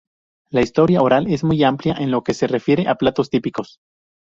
La historia oral es muy amplia en lo que se refiere a platos típicos.